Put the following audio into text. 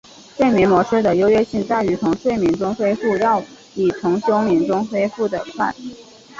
睡眠模式的优越性在于从睡眠中恢复要比从休眠中恢复快得多。